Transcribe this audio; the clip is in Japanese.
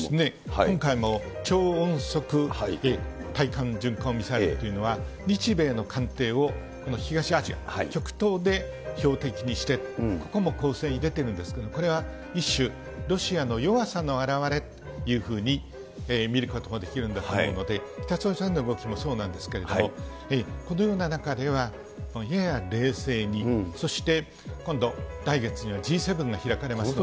今回も超音速対艦巡航ミサイルというのは、日米の艦艇をこの東アジア、極東で標的にして、ここも攻勢に出ているんですけれども、これは一種、ロシアの弱さの表れというふうに見ることもできるんだと思うので、北朝鮮の動きもそうなんですけれども、このような中では、やや冷静に、そして今度、来月にはＧ７が開かれますので。